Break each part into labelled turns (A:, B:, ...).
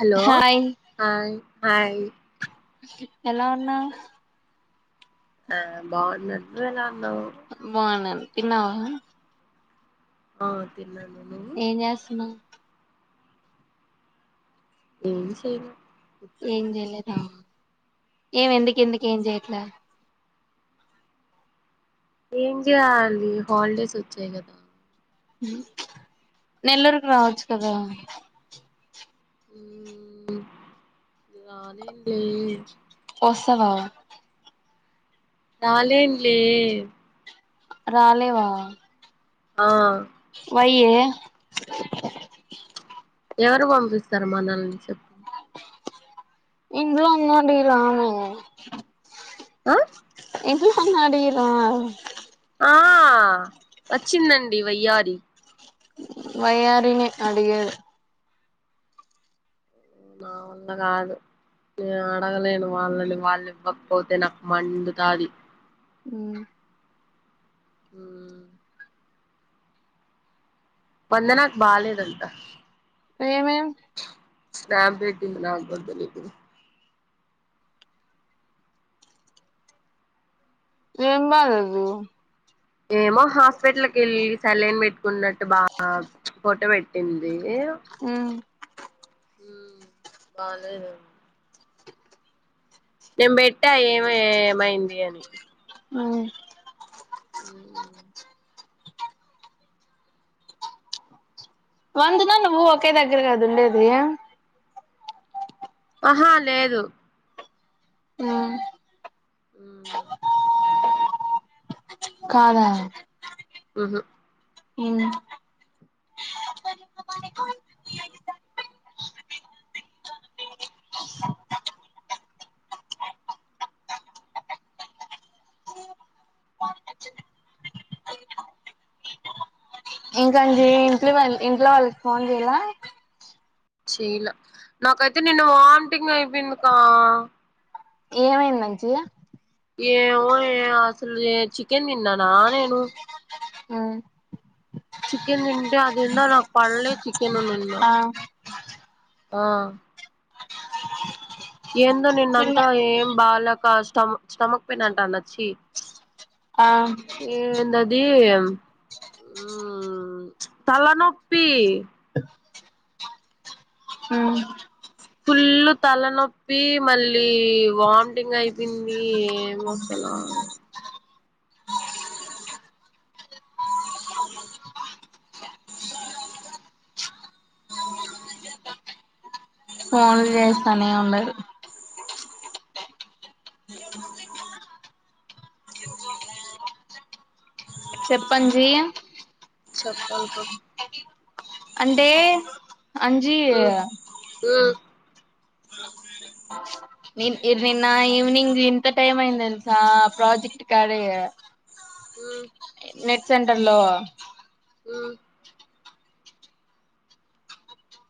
A: hello
B: hi
A: hi hi
B: ఎలా ఉన్నావు
A: ఆ బాగున్న నువ్వు ఎలా ఉన్నావు
B: ఆ బాన్నాను తిన్నావా
A: ఆ తిన్న
B: ఏం చేస్తున్నావు
A: ఏంది చేయలా
B: ఏం చెయలేదా ఏం ఎందుకు ఎందుకు ఏం చెయట్లే
A: ఏం చేయాలి హాలిడేస్ వచ్చాయి కదా
B: నెల్లూరుకి రావచ్చు కదా
A: ఉ ఆనిండే
B: వస్తవా
A: రాలేనులే
B: రాలేవా
A: ఆ
B: వై యే
A: ఎవరు పంపిస్తారు మనల్ని చెప్
B: ఇంట్లో ఉన్నడి రామే
A: ఆ
B: ఇంట్లో వాళ్ళని అడిగి రా
A: ఆ వచ్చిందండి వయ్యారి
B: వయ్యారినే అడిగేది
A: నావల్ల కాదు నేను అడగలేను వాళ్ళని వాళ్ళు ఇవ్వకపోతే నాకు మండు తాది
B: ఉ
A: ఉ వందనాకి బాలేదంట
B: ఏమేం
A: స్నాప్ పెట్టింది నాకూడా తెలిదు
B: ఏం బాలేదు
A: ఏమో హాస్పిటల్కి వెళ్ళి సలైన్ పెట్టుకున్నట్టు బాగా ఫొటో పెట్టింది
B: ఉ
A: బాలేదు నేను పెట్టా ఏమే ఏమైంది అని
B: ఉ
A: ఉ
B: వందనా నువ్వు ఒకే దగ్గర గద ఉండేది
A: ఆహా లేదు
B: ఆ
A: ఉ
B: కాదా
A: ఉహు
B: ఉ ఇంకాంచి ఇంట్లో వాళ్ ఇంట్లో వాళ్ళకి ఫోన్ చెయాల
A: చేయలా నాకైతే నిన్న వాంటింగ్ అయిపోయిందికా
B: ఏమైందించిగా
A: ఏమో అసలు చికెన్ తిన్నానా నేను చికెన్ తింటే అదేందో నాకు పళ్లే చికెన్ తిన్నా
B: ఆ
A: ఆ ఏందో
B: తిన్న
A: నిన్నంతా ఏం బాగాక స్టమ స్టమక్ పెయిన్ అంటాన చ్చి
B: ఆ
A: ది ఉమ్ ఇచ్ తలనొప్పి ఫుల్ తలనొప్పి మళ్ళీ వామిటింగ్ అయిపోయింది ఏం వసంది ఆ
B: ఫోన్ చేస్తానే ఉనారు చెప్పంజీ
A: చెప్పాల క
B: అంటే అంజీ
A: మ్మ్ మ్మ్
B: నిన్ ఇ నిన్న ఈవనింగ్ ఇంత టైమ్ అయింది తెల్సా ప్రాజెక్ట్ కడ
A: హ
B: నెట్ సెంటర్ లో
A: హ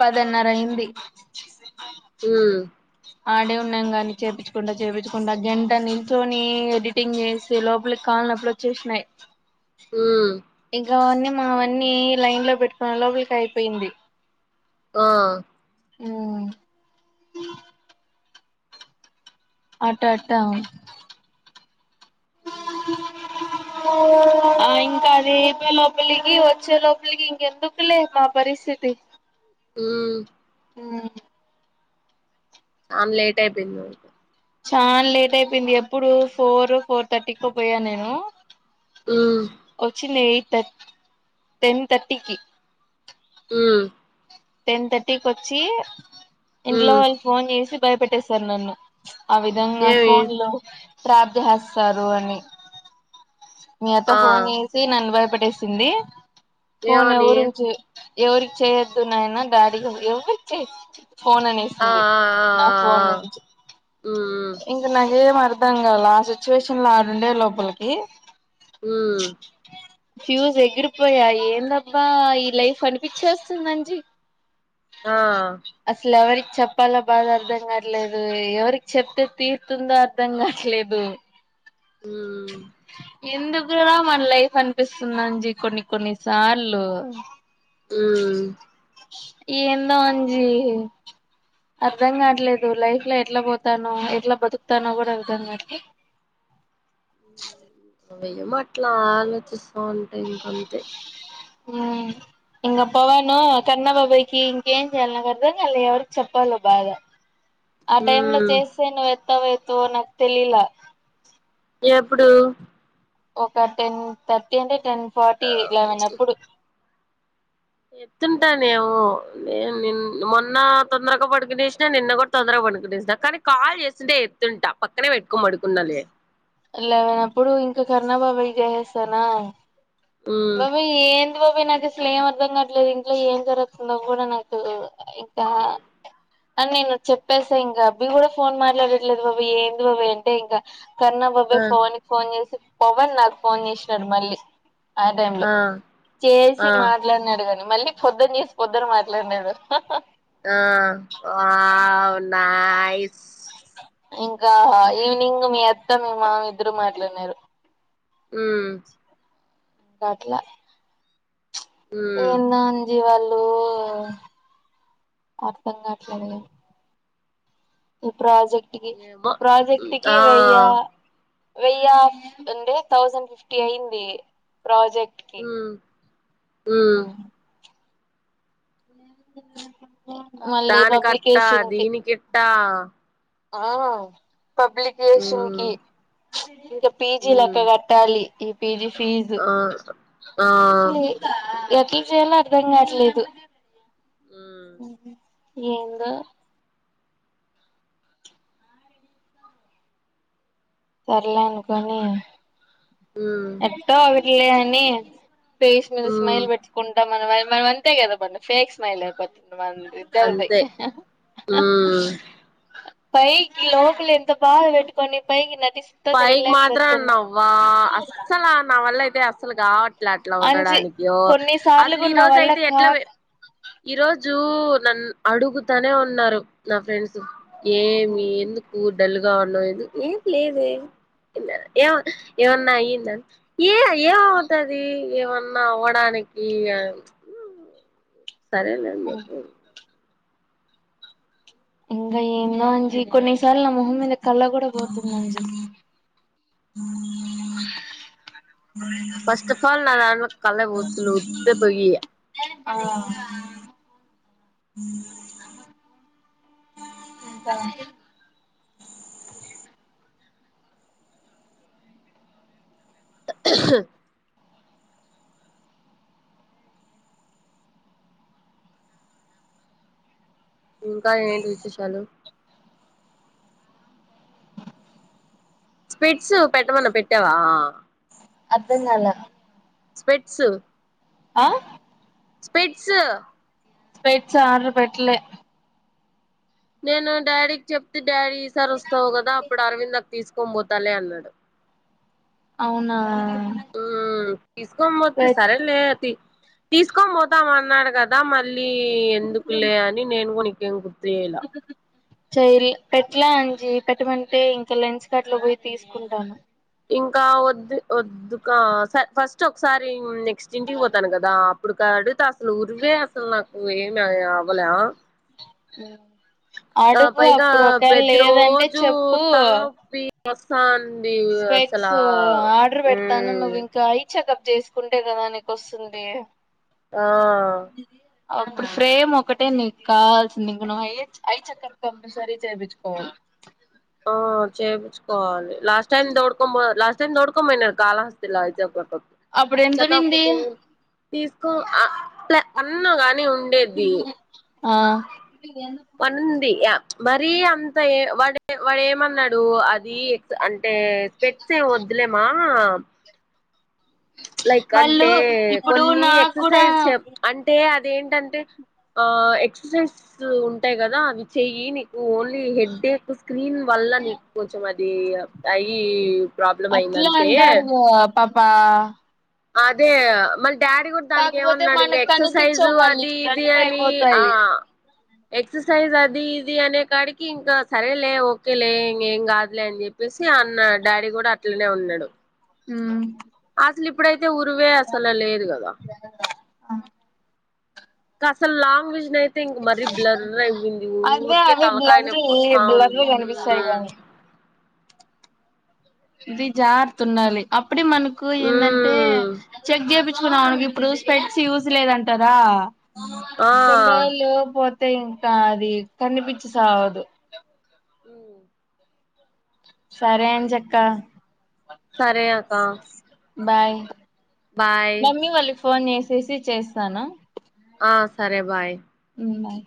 B: పదన్నర అయింది
A: హ
B: ఆడే ఉన్నాం గాని చేపించుకుండా చేపించకుంట గంట నిల్చొని ఎడిటింగ్ చేసి లోపలికి కాళ్ళనొప్పులు వచ్చేసినాయి
A: హ
B: ఇంకవన్నీ మావన్నీ లైన్ లో పెట్టుకున్న లోపలికి అయిపోయింది
A: ఆ
B: ఆ ఆట ఆట
A: హ
B: ఇ ఆ ఇంకా అది లోపలికి వచ్చే లోపలికి ఇంకెందుకులే మా పరిస్థితి తీ
A: ఉమ్
B: హ
A: [inaudible] లేట్యిపోయింద
B: చాలా లేట్ అయిపోయింది ఎప్పుడు ఫోర్ ఫోర్ థర్టీకి పోయా నేను
A: మ్మ్
B: వచ్చింది ఎయిట్థ టెన్ థర్టీకి
A: అ
B: టెన్ థర్టీకి వచ్చి ఇంట్లో
A: మ్మ్
B: వాళ్ళు ఫోన్ చేసి భయపెట్టేస్తారు నన్ను ఆ విధంగా
A: ఏమి
B: ఫోన్ లో ప్రాప్తి చేస్తారు అని మీ అత్త
A: ఆ
B: ఫోన్ చేసి నన్ను భయపడేసింది ఫోన్
A: ఏమని
B: ఎవరు ఎవరికి చేయ్యొద్దున్నాయనా డాడిగా ఎవరికి చేయ ఫోన్
A: ఆ
B: అనేసింది
A: ఆ ఆ
B: నా
A: ఆ
B: ఫోన్ నుంచి
A: మ్మ్
B: ఇంక నాగేం అర్థం కాల ఆ సిచ్యువేషన్ లో ఆడుండే లోపలికి
A: హ
B: ఫ్యూజ్ ఎగిరిపోయా ఏందబ్బా ఈ లైఫ్ అనిపించేస్తుందంజీ
A: ఆ
B: చెప్పాలా బాధ అర్థం కాట్లేదు ఎవరికి చెప్తే తీరుతుందో అర్థం కావట్లేదు
A: మ్మ్
B: ఎందుకురా మన లైఫ్ అనిపిస్తుంది అంజి కొన్ని కొన్ని సార్లు
A: ఆ
B: ఏందో అంజి అర్ధం కావట్లేదు లైఫ్ లో ఎట్లా పోతానో ఎట్లా బతుకుతానో కూడా అర్ధం కావట్లేదు
A: నువ్యమ అట్లా ఆలోచిస్తా అంటే ఇంక అంతే
B: ఉ ఇం పవను కన్నాబాబాయికి ఇంకేం చేయాల నాకు అర్థం కల ఎవరికి చెప్పాలో బాధ ఆ టైమ్ లో
A: ఉమ్
B: చేసే నువ్వు ఎత్తావు ఎతువ నాకు తెలీలా
A: ఎప్పుడు
B: ఒక టెన్ థర్టీ అంటే టెన్
A: ఆ
B: ఫార్టీ లెవెన్ ఎప్పుడు
A: ఎత్తుంటానేమన్న మొన్న తొందరగా పడుకునేసిన నిన్న కూడా తొందరగా పడి ప కానీ కాల్ చేస్తుంటే ఎత్తుంటా పక్కనే పెట్టుకోమడుకున్నాాల
B: లేవన అప్పుడు ఇంకా కర్ణాబాబాయి చేసేస్తానా
A: ఉమ్
B: బాబీ ఏంది బాబయి నాకు అసలు ఏం అర్ధం కాట్లేదు ఇంట్లో ఏం జరుగుతుందో కూడా నాకు ఇకా అని నేను చెప్పేసే ఇంకా అబ్బీ కూడా ఫోన్ మాట్లాడట్లేదు బాబ ఏంది బాబ అంటే ఇంకా కర్ణాబాబా
A: ఆ
B: ఫోన్ ఫోన్ చేసి పవన్ నాకు ఫోన్ చేసినాడు మళ్ళీ ఆ టై లో
A: ఆ
B: చేసి
A: ఆ
B: మాట్లాడిన అడిగాలి మళ్ళీ పొద్దుని చేసి పొద్దున మాట్లాడలేదు
A: ఆ వావ్నైస్
B: ఇంకా ఈవినింగ్ మీ అత్త మీ మామి ఇద్దరు మాట్లాడినారు
A: అ
B: కాట్లా
A: ఉమ్
B: ఏంద జీ వాళ్ళు ఎలో అర్థం కావట్లేదు ఈ ప్రాజెక్ట్ క
A: ఏమో
B: ప్రాజెక్ట్కి
A: ఆ
B: వెయ్య వెయ్యి్ అంటే థౌసండ్ ఫిఫ్టీ అయింది ప్రాజెక్ట్ [inaudible]
A: ఉమ్ ఉమ్
B: మళ్ళీ
A: దానికట్టా
B: పబ్లికేషన్ కి
A: దీనికిట్టా
B: ఆ పబ్లికేషన్
A: ఉమ్
B: కి ఇంకా పీజీ లెక్క
A: ఉమ్
B: కట్టాలి ఈ పీజీ ఫీజు
A: ఆ ఆ
B: అసలు ఎట్లా చేయాలో అర్ధం కావట్లేదు
A: మ్మ్
B: ఏందు సర్లే అనుకని
A: మ్మ్
B: ఎట్ో అర్లే అని ఫేస్ మీద
A: మ్మ్
B: స్మైల్ పెట్టుకుంటాం మనం మన అంతే కదా పండి ఫేక్ స్మైల్ అయిపోతుంది మద్దారుద
A: అంతే మ్మ్
B: పైకి లోపలి ఎంత బాధ పెట్టుకని పైకి న
A: పైకి మాత్రం అన్నావ్వా అస్సలు నా వల్ల అయితే అస్సలు కాబట్టి అలా అట్లా
B: అంజి
A: ఉండడానికిో
B: కొన్నిసార్లు
A: అసలు ఈ
B: కూడా నా
A: రోజు
B: వల్ల
A: అయితే ఎట్లా
B: కాక
A: ఈ రజు రజు నన్న అడుగుతానే ఉన్నారు నా ఫ్రెండ్స్ ఏమి ఎందుకు డల్గా ఉన్నాదు ఏం లేద
B: [inaudible]
A: ఏమ ఏమన్నా అయ్యింద ఏ ఏమవుతుది ఏమన్నా అవడానికి అ
B: [inaudible]
A: సరేలే అం
B: ఇంకా ఏందో అజ కొన్నిసార్లు నా మొహం మీద కళ్ళ కూడా పోతుందం [unintelligible]
A: ఫస్ట్ ఆఫ్ ఆల్ నాదను కల ఊసలుఊత పగి
B: ఆ ఇకా
A: [unintelligible] ఇంకా ఏంటి విశేషాలు స్పిట్స్ పెట్టమన్నా పెట్టావా
B: అదన్నల
A: స్పెట్స్
B: ఆ
A: స్పిట్స్
B: స్పెట్స్ ఆడర్ పెట్టలే
A: నేను డాడీకి చెప్తే డాడీ ఈసారి వస్తవు గదా అప్పుడు అరవిందకు తీసుకు పోతలే అన్నడు
B: అవునా
A: తీసుకోపోతే
B: స్పెట్
A: సరే లే అది తీసుకోపోతాం అన్నాడు గదా మళ్ళీ ఎందుకులే అని నేను నికేం గుర్ తేలా
B: చైల్ పెట్లే అంజి పెట్టమంటే ఇంకా లెన్స్ కాట్ల పోయి తీసుకుంటాను
A: ఇంకా వద్దు వద్దు గ ఫస్ట్ ఒకసారి నెక్స్ట్ ఇంటికి పోతాను గదా అప్పుడు అడుత అసలు ఉరువే అసలు నాకు ఏం అవలే
B: అడుగు
A: పైగా
B: అప్పుడు ఒకవేళ
A: ప్రతి
B: లేదంటే
A: రోజు
B: చెప్పు
A: తలనొప్పి వస్తాంది అసలా
B: స్పెట్స్ ఆర్డర్ పెడతాను
A: మ్మ్
B: నువ్వు ఇంకా ఐ చెకప్ చేసుకుంటే గదా నీకు ఒస్తుంది
A: ఆ
B: అప్పుడు ఫ్రేమ్ ఒకటే నీకు కావాల్సింది నువ్వు ఐ చెకప్ కంపల్సరీ చేపిచ్చుకోవాలి [inaudible]
A: ఆ చేపిచ్చుకోవాలి లాస్ట్ టైమ్ దోడుకోమొ లాస్ట్ దోడుకోమొయినర్ కాళహస్తిలా అయితే ఒక
B: అప్పుడు
A: చెకప్
B: ఎంతనింది
A: కి తీసుకో అట్ల అన్నగాని ఉండేది
B: ఆ
A: పనింది మరి అంత ఏ వాడే వాడేమన్నాడు అది అంటే స్పెట్స్ ఎం వద్లేమా లైక్
B: వాళ్ళు
A: అంటే
B: ఇప్పుడు
A: కొన్ని
B: నాకు కూడా
A: ఎక్సర్సైజ్ చె అంటే ఏంటంటే ఆ ఎక్ససైజ్ లు ఉంటాయి గదా అవి చేయి నీకు ఓన్లీ హెడ్ ఎక్ స్క్రీన్ వల్ల నీకు కొంచం అది అయి ప్రాబ్లం అయిందంతే
B: పాపపా
A: అదే మన్ డాడీ గూడా దానికి
B: కాకపోతే
A: ఏమన్నాడు ఇంగా
B: మనకు
A: ఎక్సర్సైజు
B: కనిపించవు మళ్ళీ
A: అది ఇది
B: బ్లర్
A: అని ఆ
B: అయిపోతాయి
A: ఎక్సర్సైజ్ అది ఇది అనే కాడికి ఇంకా సరేలే ఓకేలే ఇంక ఏం గాదులే అని జెప్పేసి అన్న డాడీ గూడా అట్లనే ఉన్నడు
B: మ్
A: అసలు ఇప్పుడైతే ఉరువే అసలు లేదు గదా
B: ఆ
A: కసలు లాంగ్ విజన్ అయితే ఇంక మరీ బ్లర్ అయింది
B: అదే
A: ఊరికే
B: అవి బ్లర్లీ
A: తలకాయనొప్పి ఒస్తా
B: బ్లర్లీ
A: ఉంది
B: కనిపిస్తాయి [inaudible] ఇది జారుతుండాలి అప్పుడే మనకు ఏందంటే
A: మ్మ్
B: చెగ్గేబి ఇప్పుడు స్పెట్స్ యూజ్ లేదంటరా
A: ఆ
B: కొన్ని రోజులు పో తే ఇంకా అది కనిపిచ్చి సావదు
A: [inaudible]
B: సరే అంజక్క
A: సరే అక్క
B: బాయ్
A: బాయ్
B: మమ్మీ వాళ్ళకి ఫోన్ జేసేసి చేస్తాను
A: ఆ సరే బాయ్
B: బాయ్